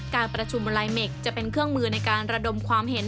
การประชุมลายเมคจะเป็นเครื่องมือในการระดมความเห็น